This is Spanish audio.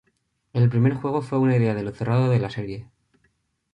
El primer juego fue una idea de lo cerrado de la serie.